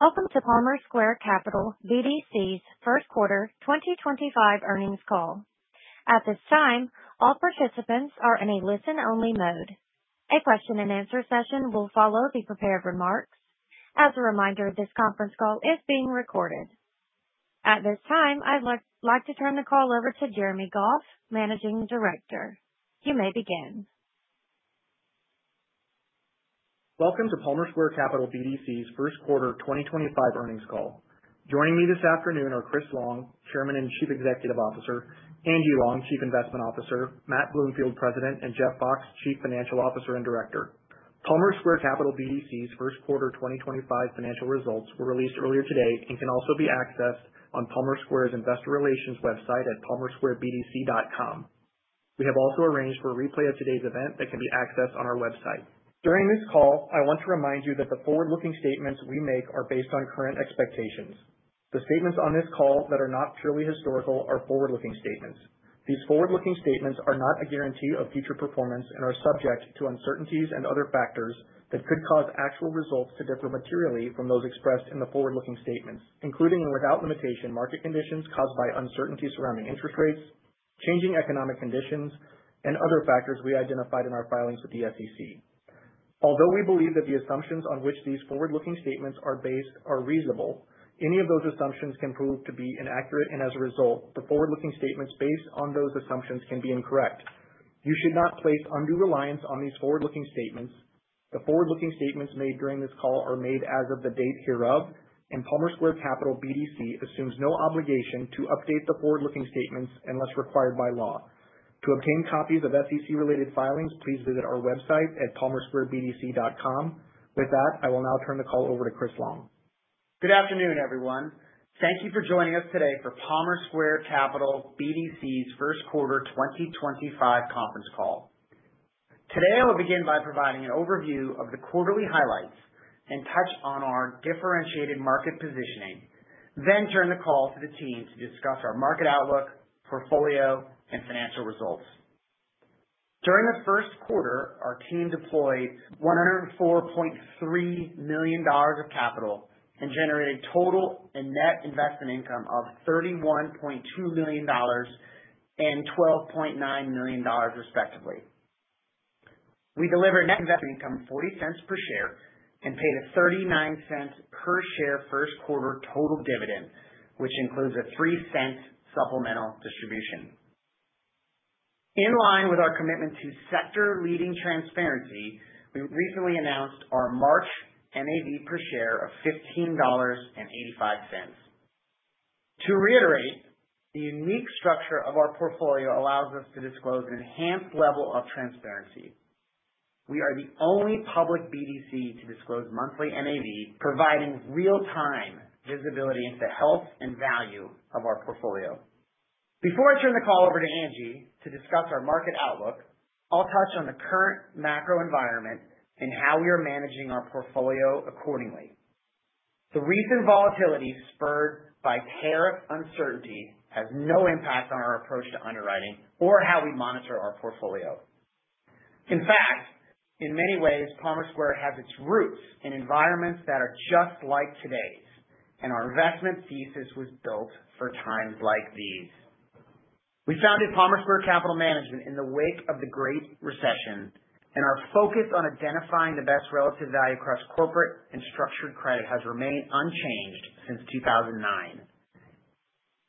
Welcome to Palmer Square Capital BDC's first quarter 2025 earnings call. At this time, all participants are in a listen-only mode. A question and answer session will follow the prepared remarks. As a reminder, this conference call is being recorded. At this time, I'd like to turn the call over to Jeremy Goff, Managing Director. You may begin. Welcome to Palmer Square Capital BDC's first quarter 2025 earnings call. Joining me this afternoon are Chris Long, Chairman and Chief Executive Officer, Angie Long, Chief Investment Officer, Matt Bloomfield, President, and Jeff Fox, Chief Financial Officer and Director. Palmer Square Capital BDC's first quarter 2025 financial results were released earlier today and can also be accessed on Palmer Square's investor relations website at palmersquarebdc.com. We have also arranged for a replay of today's event that can be accessed on our website. During this call, I want to remind you that the forward-looking statements we make are based on current expectations. The statements on this call that are not truly historical are forward-looking statements. These forward-looking statements are not a guarantee of future performance and are subject to uncertainties and other factors that could cause actual results to differ materially from those expressed in the forward-looking statements, including and without limitation, market conditions caused by uncertainty surrounding interest rates, changing economic conditions, and other factors we identified in our filings with the SEC. Although we believe that the assumptions on which these forward-looking statements are based are reasonable, any of those assumptions can prove to be inaccurate, and as a result, the forward-looking statements based on those assumptions can be incorrect. You should not place undue reliance on these forward-looking statements. The forward-looking statements made during this call are made as of the date hereof, and Palmer Square Capital BDC assumes no obligation to update the forward-looking statements unless required by law. To obtain copies of SEC-related filings, please visit our website at palmersquarebdc.com. With that, I will now turn the call over to Chris Long. Good afternoon, everyone. Thank you for joining us today for Palmer Square Capital BDC's first quarter 2025 conference call. Today, I will begin by providing an overview of the quarterly highlights and touch on our differentiated market positioning, then turn the call to the team to discuss our market outlook, portfolio, and financial results. During the first quarter, our team deployed $104.3 million of capital and generated total and net investment income of $31.2 million and $12.9 million, respectively. We delivered net investment income of $0.40 per share and paid a $0.39 per share first quarter total dividend, which includes a $0.03 supplemental distribution. In line with our commitment to sector-leading transparency, we recently announced our March NAV per share of $15.85. To reiterate, the unique structure of our portfolio allows us to disclose an enhanced level of transparency. We are the only public BDC to disclose monthly NAV, providing real-time visibility into the health and value of our portfolio. Before I turn the call over to Angie to discuss our market outlook, I'll touch on the current macro environment and how we are managing our portfolio accordingly. The recent volatility spurred by tariff uncertainty has no impact on our approach to underwriting or how we monitor our portfolio. In fact, in many ways, Palmer Square has its roots in environments that are just like today's. Our investment thesis was built for times like these. We founded Palmer Square Capital Management in the wake of the Great Recession, Our focus on identifying the best relative value across corporate and structured credit has remained unchanged since 2009.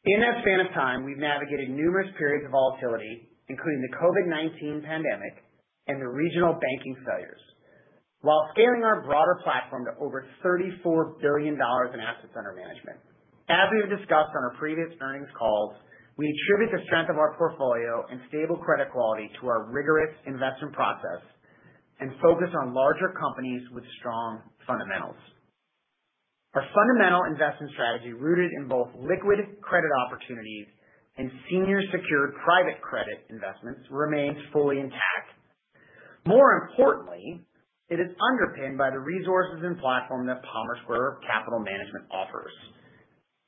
In that span of time, we've navigated numerous periods of volatility, including the COVID-19 pandemic and the regional banking failures while scaling our broader platform to over $34 billion in assets under management. As we have discussed on our previous earnings calls, we attribute the strength of our portfolio and stable credit quality to our rigorous investment process and focus on larger companies with strong fundamentals. Our fundamental investment strategy, rooted in both liquid credit opportunities and senior secured private credit investments, remains fully intact. More importantly, it is underpinned by the resources and platform that Palmer Square Capital Management offers.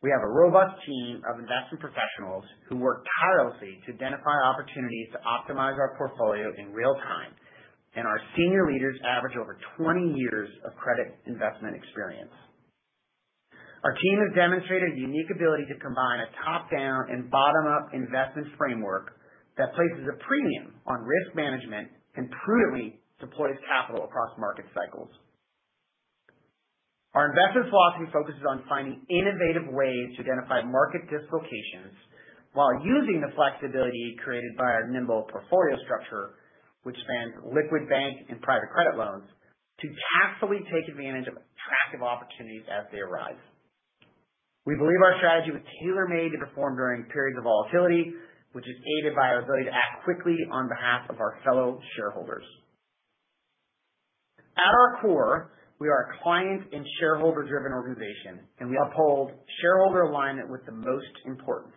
We have a robust team of investment professionals who work tirelessly to identify opportunities to optimize our portfolio in real time, Our senior leaders average over 20 years of credit investment experience. Our team has demonstrated a unique ability to combine a top-down and bottom-up investment framework that places a premium on risk management prudently deploys capital across market cycles. Our investment philosophy focuses on finding innovative ways to identify market dislocations while using the flexibility created by our nimble portfolio structure, which spans liquid bank and private credit loans, to carefully take advantage of attractive opportunities as they arise. We believe our strategy was tailor-made to perform during periods of volatility, which is aided by our ability to act quickly on behalf of our fellow shareholders. At our core, we are a client and shareholder-driven organization, We uphold shareholder alignment with the most importance.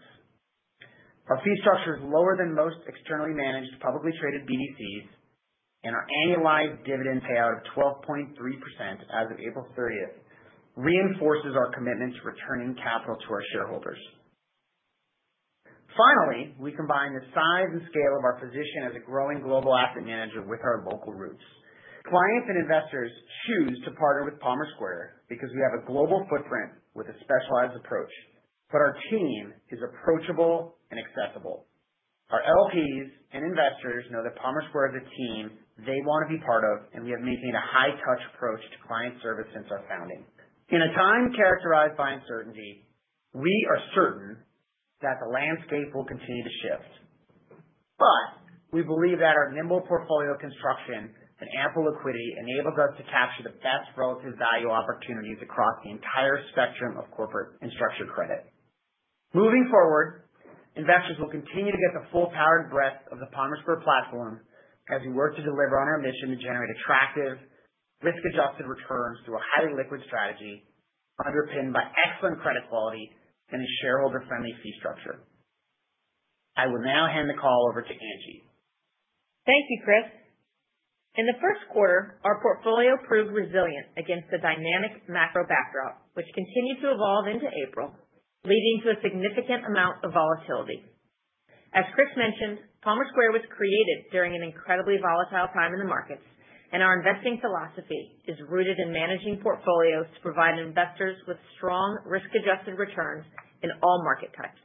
Our fee structure is lower than most externally managed, publicly traded BDCs, Our annualized dividend payout of 12.3% as of April 30th reinforces our commitment to returning capital to our shareholders. Finally, we combine the size and scale of our position as a growing global asset manager with our local roots. Clients and investors choose to partner with Palmer Square because we have a global footprint with a specialized approach, but our team is approachable and accessible. Our LPs and investors know that Palmer Square is a team they want to be part of, and we have maintained a high touch approach to client service since our founding. In a time characterized by uncertainty, we are certain that the landscape will continue to shift. We believe that our nimble portfolio construction and ample liquidity enables us to capture the best relative value opportunities across the entire spectrum of corporate and structured credit. Moving forward, investors will continue to get the full powered breadth of the Palmer Square platform as we work to deliver on our mission to generate attractive risk-adjusted returns through a highly liquid strategy underpinned by excellent credit quality and a shareholder-friendly fee structure. I will now hand the call over to Angie. Thank you, Chris. In the first quarter, our portfolio proved resilient against the dynamic macro backdrop, which continued to evolve into April, leading to a significant amount of volatility. As Chris mentioned, Palmer Square was created during an incredibly volatile time in the markets, and our investing philosophy is rooted in managing portfolios to provide investors with strong risk-adjusted returns in all market types.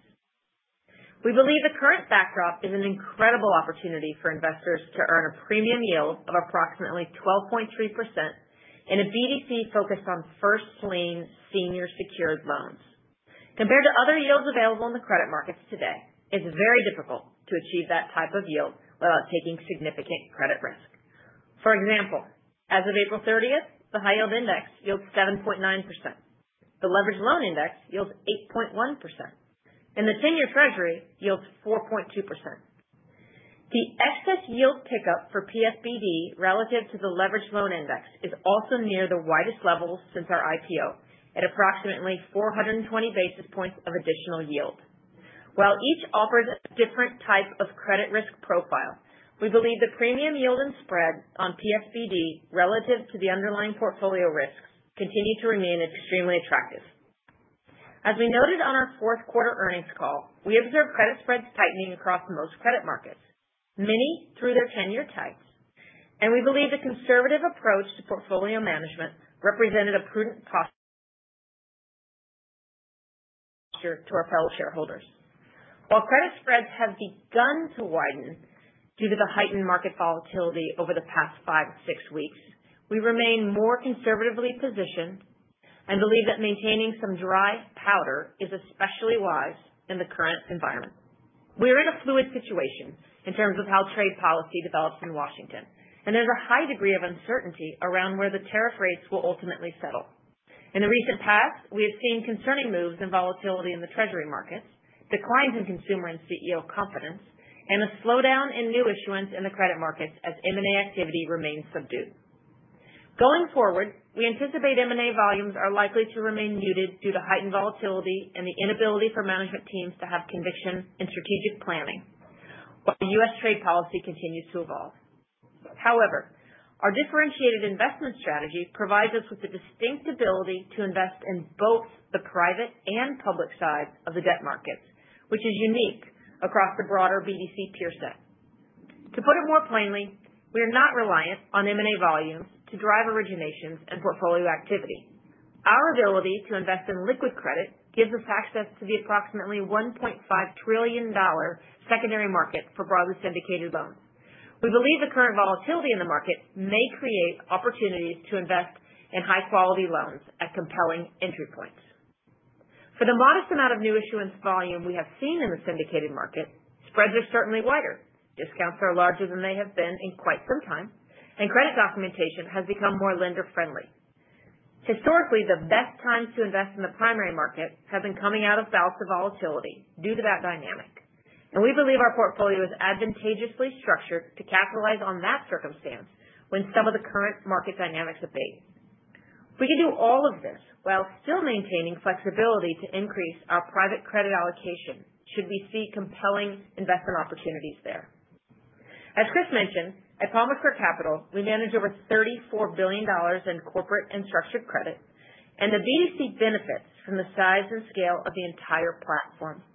We believe the current backdrop is an incredible opportunity for investors to earn a premium yield of approximately 12.3% in a BDC focused on first lien senior secured loans. Compared to other yields available in the credit markets today, it's very difficult to achieve that type of yield without taking significant credit risk. For example, as of April 30th, the high yield index yields 7.9%. The leverage loan index yields 8.1%, and the 10-year treasury yields 4.2%. The excess yield pickup for PSBD relative to the leverage loan index is also near the widest levels since our IPO at approximately 420 basis points of additional yield. While each offers a different type of credit risk profile, we believe the premium yield and spread on PSBD relative to the underlying portfolio risks continue to remain extremely attractive. As we noted on our fourth quarter earnings call, we observed credit spreads tightening across most credit markets, many through their 10-year types. We believe the conservative approach to portfolio management represented a prudent posture to our fellow shareholders. While credit spreads have begun to widen due to the heightened market volatility over the past 5 to 6 weeks, we remain more conservatively positioned and believe that maintaining some dry powder is especially wise in the current environment. We are in a fluid situation in terms of how trade policy develops in Washington, and there's a high degree of uncertainty around where the tariff rates will ultimately settle. In the recent past, we have seen concerning moves and volatility in the treasury markets, declines in consumer and CEO confidence, and a slowdown in new issuance in the credit markets as M&A activity remains subdued. Going forward, we anticipate M&A volumes are likely to remain muted due to heightened volatility and the inability for management teams to have conviction in strategic planning while U.S. trade policy continues to evolve. Our differentiated investment strategy provides us with the distinct ability to invest in both the private and public side of the debt markets, which is unique across the broader BDC peer set. To put it more plainly, we are not reliant on M&A volumes to drive originations and portfolio activity. Our ability to invest in liquid credit gives us access to the approximately $1.5 trillion secondary market for broadly syndicated loans. We believe the current volatility in the market may create opportunities to invest in high-quality loans at compelling entry points. For the modest amount of new issuance volume we have seen in the syndicated market, spreads are certainly wider. Discounts are larger than they have been in quite some time, and credit documentation has become more lender-friendly. Historically, the best times to invest in the primary market have been coming out of bouts of volatility due to that dynamic, and we believe our portfolio is advantageously structured to capitalize on that circumstance when some of the current market dynamics abate. We can do all of this while still maintaining flexibility to increase our private credit allocation should we see compelling investment opportunities there. As Chris mentioned, at Palmer Square Capital, we manage over $34 billion in corporate and structured credit, and the BDC benefits from the size and scale of the entire platform.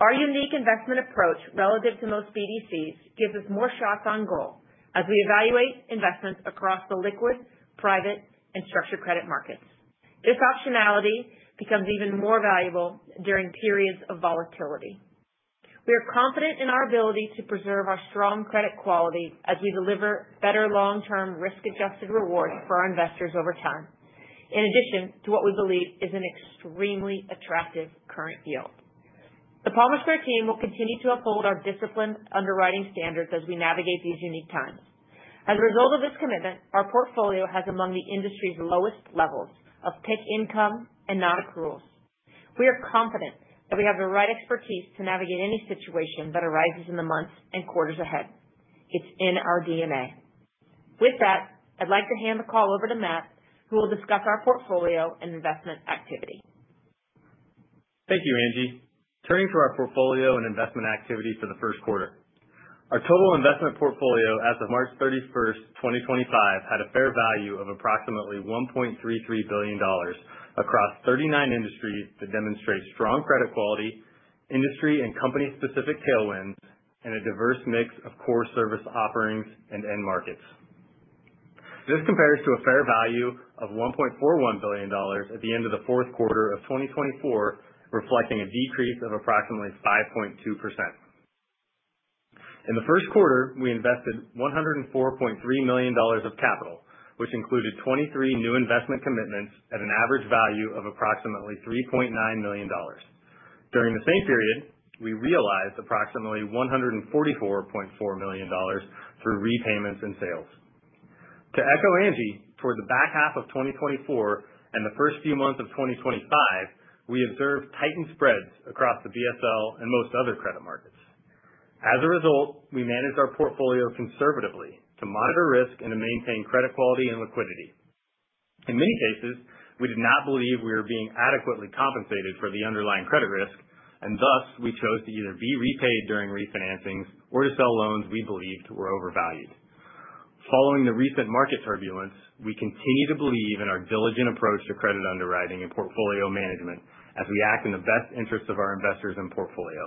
Our unique investment approach relative to most BDCs gives us more shots on goal as we evaluate investments across the liquid, private, and structured credit markets. This optionality becomes even more valuable during periods of volatility. We are confident in our ability to preserve our strong credit quality as we deliver better long-term risk-adjusted rewards for our investors over time. In addition to what we believe is an extremely attractive current yield, the Palmer Square team will continue to uphold our disciplined underwriting standards as we navigate these unique times. As a result of this commitment, our portfolio has among the industry's lowest levels of PIK income and non-accruals. We are confident that we have the right expertise to navigate any situation that arises in the months and quarters ahead. It's in our DNA. With that, I'd like to hand the call over to Matt, who will discuss our portfolio and investment activity. Thank you, Angie. Turning to our portfolio and investment activity for the first quarter. Our total investment portfolio as of March 31st, 2025, had a fair value of approximately $1.33 billion across 39 industries that demonstrate strong credit quality, industry and company specific tailwinds, and a diverse mix of core service offerings and end markets. This compares to a fair value of $1.41 billion at the end of the fourth quarter of 2024, reflecting a decrease of approximately 5.2%. In the first quarter, we invested $104.3 million of capital, which included 23 new investment commitments at an average value of approximately $3.9 million. During the same period, we realized approximately $144.4 million through repayments and sales. To echo Angie, towards the back half of 2024 and the first few months of 2025, we observed tightened spreads across the BSL and most other credit markets. We managed our portfolio conservatively to monitor risk and to maintain credit quality and liquidity. In many cases, we did not believe we were being adequately compensated for the underlying credit risk, and thus, we chose to either be repaid during refinancings or to sell loans we believed were overvalued. Following the recent market turbulence, we continue to believe in our diligent approach to credit underwriting and portfolio management as we act in the best interest of our investors and portfolio.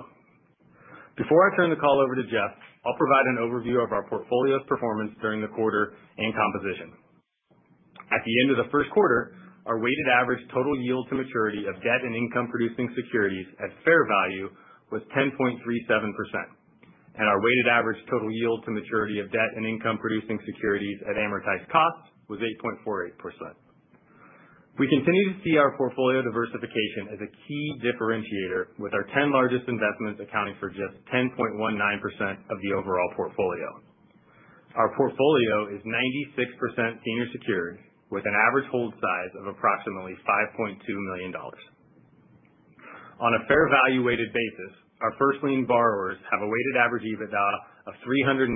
Before I turn the call over to Jeff, I will provide an overview of our portfolio's performance during the quarter and composition. At the end of the first quarter, our weighted average total yield to maturity of debt and income-producing securities at fair value was 10.37%, and our weighted average total yield to maturity of debt and income-producing securities at amortized cost was 8.48%. We continue to see our portfolio diversification as a key differentiator, with our 10 largest investments accounting for just 10.19% of the overall portfolio. Our portfolio is 96% senior secured, with an average hold size of approximately $5.2 million. On a fair value weighted basis, our first lien borrowers have a weighted average EBITDA of $399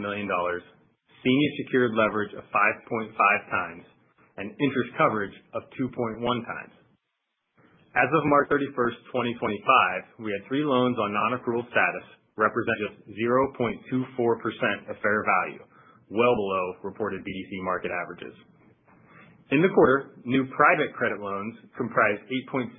million, senior secured leverage of 5.5 times, and interest coverage of 2.1 times. As of March 31st, 2025, we had three loans on non-accrual status, representing 0.24% of fair value, well below reported BDC market averages. In the quarter, new private credit loans comprised 8.6%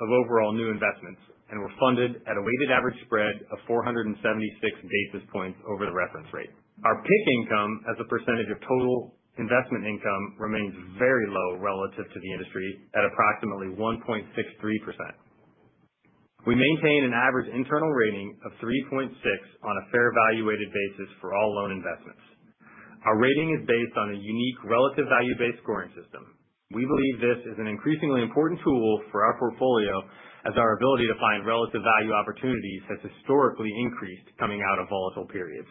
of overall new investments and were funded at a weighted average spread of 476 basis points over the reference rate. Our PIK income as a percentage of total investment income remains very low relative to the industry, at approximately 1.63%. We maintain an average internal rating of 3.6 on a fair value weighted basis for all loan investments. Our rating is based on a unique relative value-based scoring system. We believe this is an increasingly important tool for our portfolio as our ability to find relative value opportunities has historically increased coming out of volatile periods.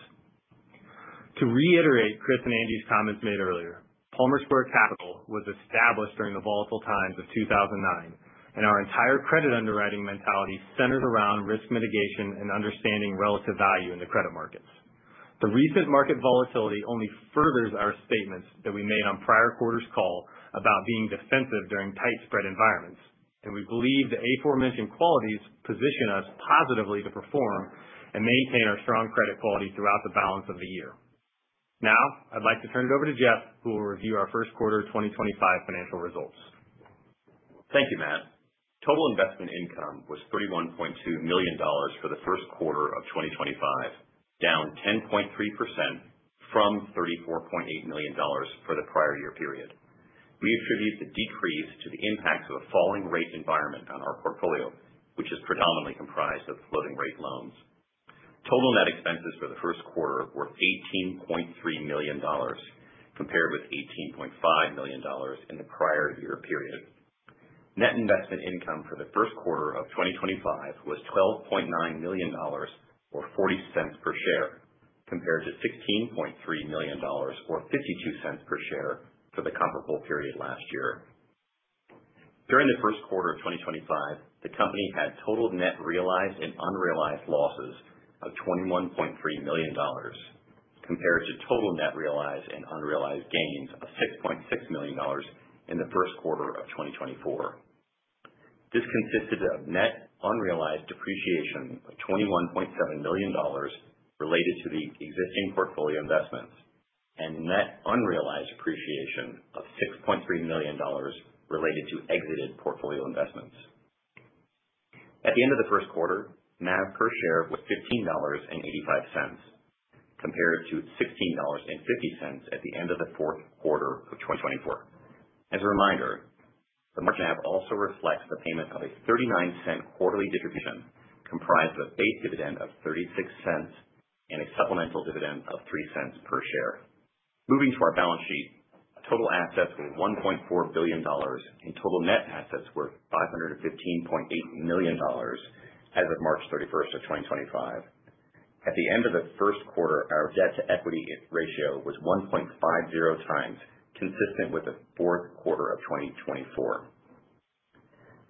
To reiterate Chris and Angie's comments made earlier, Palmer Square Capital was established during the volatile times of 2009. Our entire credit underwriting mentality centers around risk mitigation and understanding relative value in the credit markets. The recent market volatility only furthers our statements that we made on prior quarters call about being defensive during tight spread environments. We believe the aforementioned qualities position us positively to perform and maintain our strong credit quality throughout the balance of the year. Now, I'd like to turn it over to Jeff, who will review our first quarter 2025 financial results. Thank you, Matt. Total investment income was $31.2 million for the first quarter of 2025, down 10.3% from $34.8 million for the prior year period. We attribute the decrease to the impacts of a falling rate environment on our portfolio, which is predominantly comprised of floating rate loans. Total net expenses for the first quarter were $18.3 million, compared with $18.5 million in the prior year period. Net investment income for the first quarter of 2025 was $12.9 million or $0.40 per share, compared to $16.3 million or $0.52 per share for the comparable period last year. During the first quarter of 2025, the company had total net realized and unrealized losses of $21.3 million, compared to total net realized and unrealized gains of $6.6 million in the [first quarter of 2024]. This consisted of net unrealized depreciation of $21.7 million related to the existing portfolio investments and net unrealized appreciation of $6.3 million related to exited portfolio investments. At the end of the first quarter, NAV per share was $15.85, compared to $16.50 at the end of the fourth quarter of 2024. As a reminder, the NAV also reflects the payment of a $0.39 quarterly distribution comprised of a base dividend of $0.36 and a supplemental dividend of $0.03 per share. Moving to our balance sheet, total assets were $1.4 billion and total net assets were $515.8 million as of March 31st of 2025. At the end of the first quarter, our debt-to-equity ratio was 1.50 times, consistent with the fourth quarter of 2024.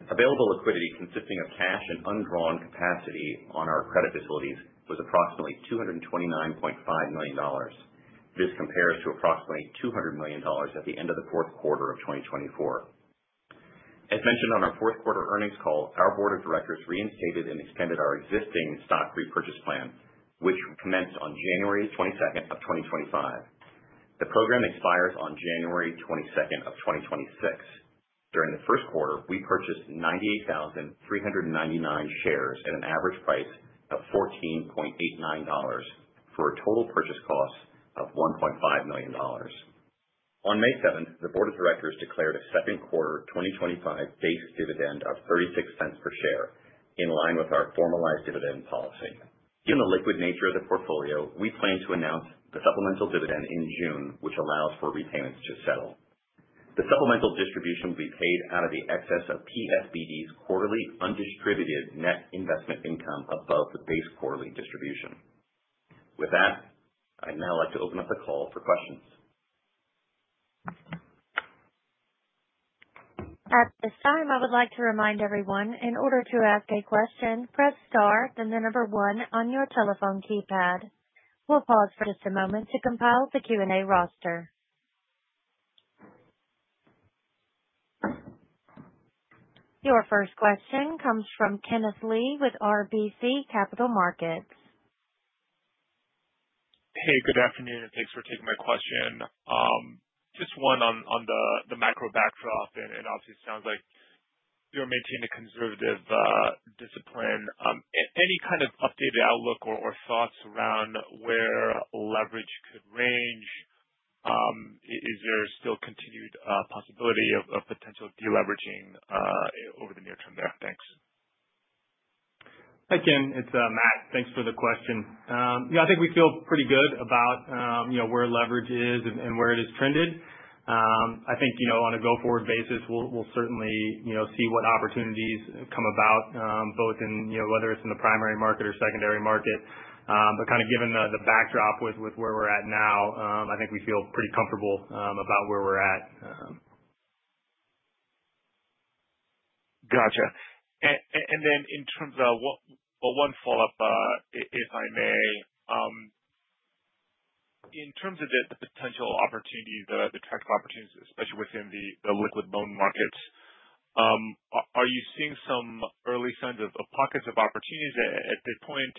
Available liquidity consisting of cash and undrawn capacity on our credit facilities was approximately $229.5 million. This compares to approximately $200 million at the end of the fourth quarter of 2024. As mentioned on our fourth quarter earnings call, our board of directors reinstated and extended our existing stock repurchase plan, which commenced on January 22nd of 2025. The program expires on January 22nd of 2026. During the first quarter, we purchased 98,399 shares at an average price of $14.89 for a total purchase cost of $1.5 million. On May seventh, the board of directors declared a second quarter 2025 base dividend of $0.36 per share, in line with our formalized dividend policy. Given the liquid nature of the portfolio, we plan to announce the supplemental dividend in June, which allows for repayments to settle. The supplemental distribution will be paid out of the excess of PSBD's quarterly undistributed net investment income above the base quarterly distribution. With that, I'd now like to open up the call for questions. At this time, I would like to remind everyone, in order to ask a question, press star then the number one on your telephone keypad. We'll pause for just a moment to compile the Q&A roster. Your first question comes from Kenneth Lee with RBC Capital Markets. Hey, good afternoon, thanks for taking my question. Just one on the macro backdrop, obviously it sounds like you're maintaining a conservative discipline. Any kind of updated outlook or thoughts around where leverage could range? Is there still continued possibility of potential de-leveraging over the near term there? Thanks. Hi, Ken. It's Matt. Thanks for the question. I think we feel pretty good about where leverage is and where it has trended. I think, on a go-forward basis, we'll certainly see what opportunities come about, both in whether it's in the primary market or secondary market. Kind of given the backdrop with where we're at now, I think we feel pretty comfortable about where we're at. Gotcha. In terms of one follow-up, if I may. In terms of the potential opportunities, the tactical opportunities, especially within the liquid loan markets, are you seeing some early signs of pockets of opportunities at this point?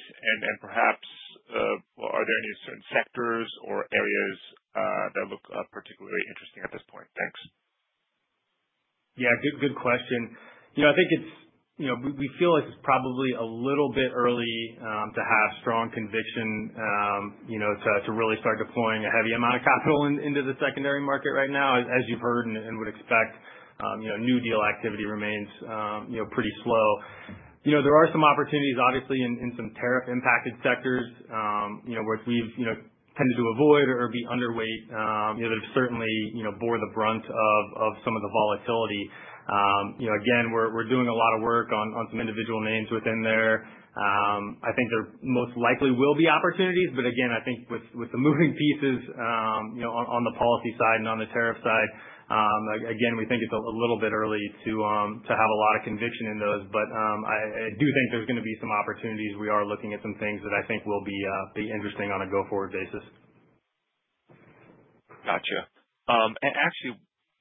Perhaps, are there any certain sectors or areas that look particularly interesting at this point? Thanks. Yeah, good question. I think we feel like it's probably a little bit early to have strong conviction to really start deploying a heavy amount of capital into the secondary market right now. As you've heard and would expect, new deal activity remains pretty slow. There are some opportunities, obviously, in some tariff impacted sectors, which we've tended to avoid or be underweight. They've certainly bore the brunt of some of the volatility. Again, we're doing a lot of work on some individual names within there. I think there most likely will be opportunities, again, I think with the moving pieces on the policy side and on the tariff side, again, we think it's a little bit early to have a lot of conviction in those. I do think there's going to be some opportunities. We are looking at some things that I think will be interesting on a go-forward basis. Gotcha. Actually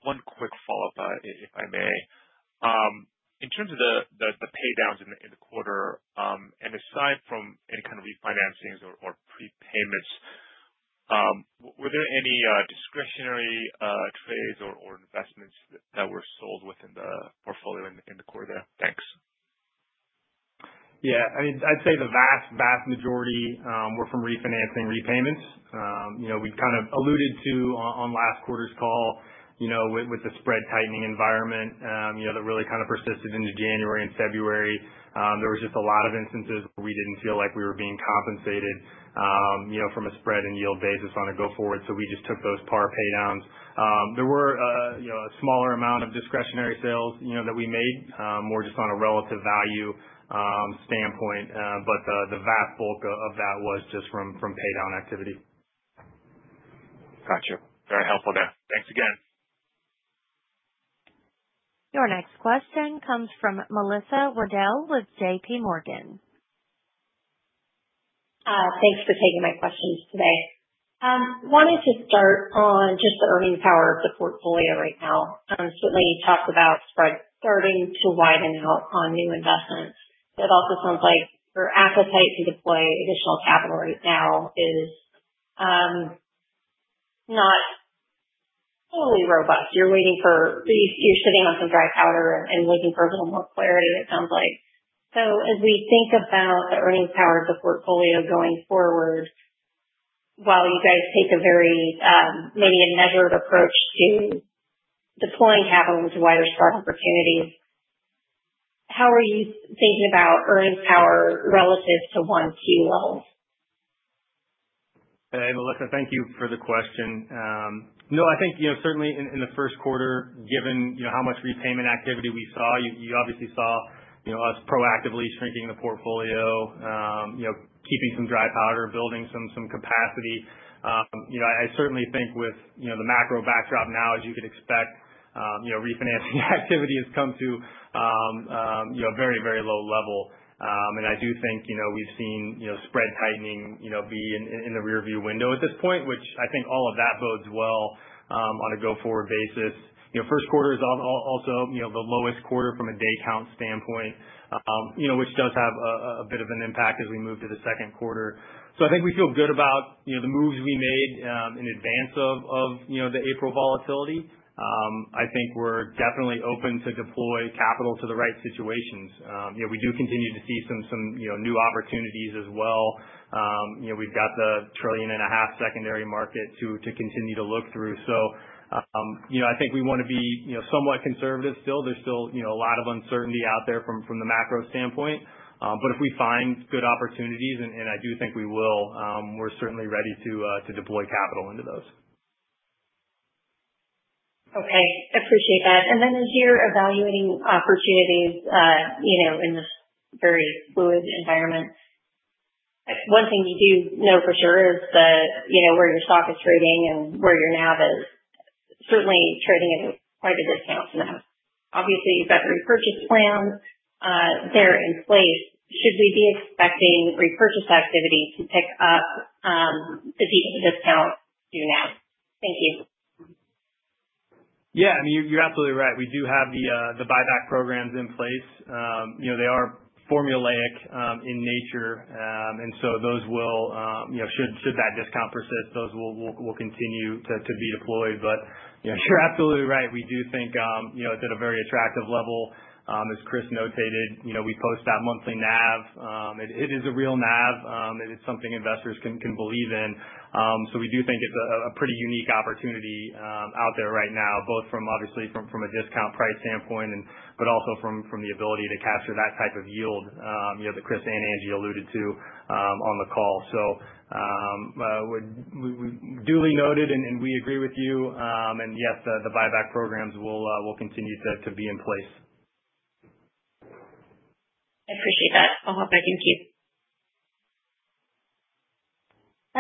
one quick follow-up, if I may. In terms of the pay downs in the quarter, aside from any kind of refinancings or prepayments, were there any discretionary trades or investments that were sold within the portfolio in the quarter? Thanks. Yeah. I'd say the vast majority were from refinancing repayments. We kind of alluded to on last quarter's call, with the spread tightening environment, that really kind of persisted into January and February. There was just a lot of instances where we didn't feel like we were being compensated from a spread and yield basis on a go forward. We just took those par pay downs. There were a smaller amount of discretionary sales that we made, more just on a relative value standpoint. The vast bulk of that was just from pay down activity. Gotcha. Very helpful there. Thanks again. Your next question comes from Melisa Weddle with JPMorgan. Thanks for taking my questions today. Wanted to start on just the earnings power of the portfolio right now. Certainly you talked about spreads starting to widen out on new investments. It also sounds like your appetite to deploy additional capital right now is not totally robust. You're sitting on some dry powder and looking for a little more clarity, it sounds like. As we think about the earnings power of the portfolio going forward, while you guys take a very measured approach to deploying capital into wider spread opportunities, how are you thinking about earnings power relative to Q1 levels? Hey, Melissa, thank you for the question. No, I think certainly in the first quarter, given how much repayment activity we saw, you obviously saw us proactively shrinking the portfolio, Keeping some dry powder, building some capacity. I certainly think with the macro backdrop now, as you could expect, refinancing activity has come to a very low level. I do think we've seen spread tightening be in the rearview window at this point, which I think all of that bodes well on a go-forward basis. First quarter is also the lowest quarter from a day count standpoint, which does have a bit of an impact as we move to the second quarter. I think we feel good about the moves we made in advance of the April volatility. I think we're definitely open to deploy capital to the right situations. We do continue to see some new opportunities as well. We've got the 1.5 trillion secondary market to continue to look through. I think we want to be somewhat conservative still. There's still a lot of uncertainty out there from the macro standpoint. If we find good opportunities, and I do think we will, we're certainly ready to deploy capital into those. Okay. Appreciate that. As you're evaluating opportunities in this very fluid environment, one thing you do know for sure is that where your stock is trading and where your NAV is certainly trading at quite a discount now. Obviously, you've got the repurchase plan there in place. Should we be expecting repurchase activity to pick up to beat the discount to NAV? Thank you. Yeah. You're absolutely right. We do have the buyback programs in place. They are formulaic in nature. Should that discount persist, those will continue to be deployed. You're absolutely right. We do think it's at a very attractive level. As Chris notated, we post that monthly NAV. It is a real NAV. It is something investors can believe in. We do think it's a pretty unique opportunity out there right now, both from obviously from a discount price standpoint, but also from the ability to capture that type of yield that Chris and Angie alluded to on the call. We duly noted, and we agree with you. Yes, the buyback programs will continue to be in place. I appreciate that. Thank you.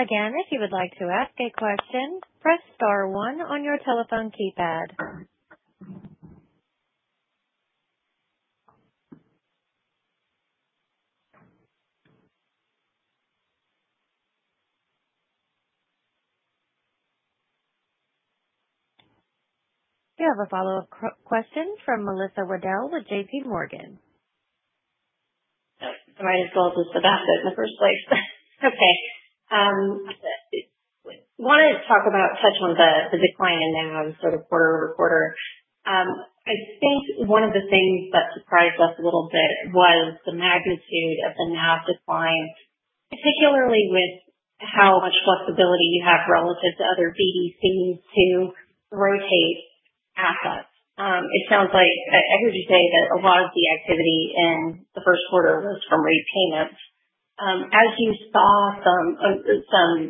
Again, if you would like to ask a question, press star one on your telephone keypad. We have a follow-up question from Melissa Weddle with JPMorgan. Oh, might as well have just asked it in the first place. Okay. Wanted to touch on the decline in NAVs sort of quarter-over-quarter. I think one of the things that surprised us a little bit was the magnitude of the NAV decline, particularly with how much flexibility you have relative to other BDCs to rotate assets. I heard you say that a lot of the activity in the first quarter was from repayments. You saw some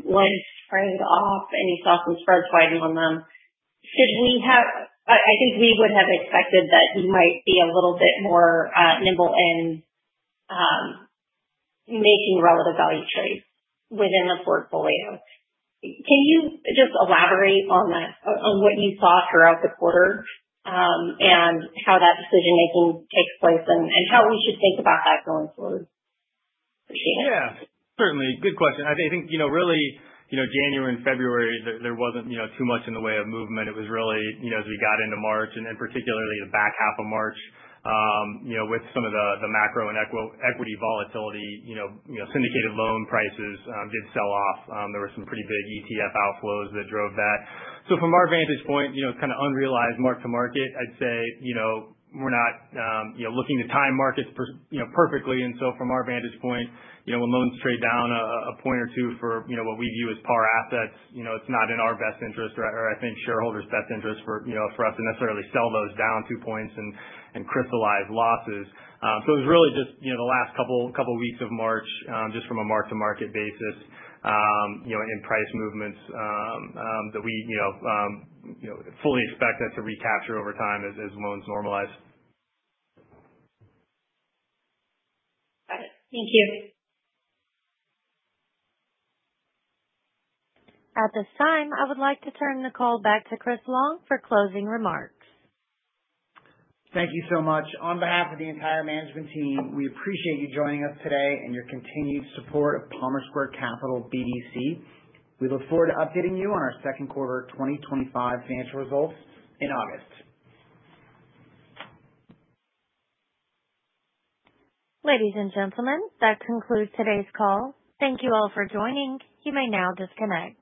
loans trade off and you saw some spreads widen on them. I think we would have expected that you might be a little bit more nimble in making relative value trades within the portfolio. Can you just elaborate on that, on what you saw throughout the quarter? How that decision-making takes place and how we should think about that going forward? Appreciate it. Yeah. Certainly. Good question. I think, really January and February there wasn't too much in the way of movement. It was really as we got into March and then particularly the back half of March, with some of the macro and equity volatility, syndicated loan prices did sell off. There were some pretty big ETF outflows that drove that. From our vantage point, unrealized mark to market, I'd say we're not looking to time markets perfectly. From our vantage point, when loans trade down a point or two for what we view as par assets, it's not in our best interest or I think shareholders' best interest for us to necessarily sell those down two points and crystallize losses. It was really just the last couple weeks of March, just from a mark-to-market basis in price movements that we fully expect us to recapture over time as loans normalize. Got it. Thank you. At this time, I would like to turn the call back to Chris Long for closing remarks. Thank you so much. On behalf of the entire management team, we appreciate you joining us today and your continued support of Palmer Square Capital BDC. We look forward to updating you on our second quarter 2025 financial results in August. Ladies and gentlemen, that concludes today's call. Thank you all for joining. You may now disconnect.